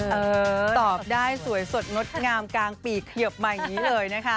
ตอบได้สวยสดงดงามกลางปีกเขียบมาอย่างนี้เลยนะคะ